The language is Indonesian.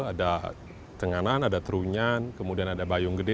ada tenganan ada terunyan kemudian ada bayunggede